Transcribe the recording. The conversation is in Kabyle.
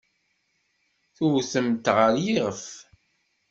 Tewtem-t ɣer yiɣef.